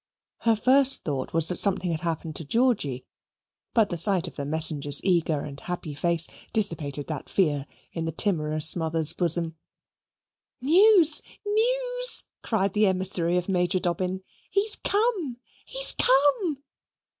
Her first thought was that something had happened to Georgy, but the sight of the messenger's eager and happy face dissipated that fear in the timorous mother's bosom. "News! News!" cried the emissary of Major Dobbin. "He's come! He's come!"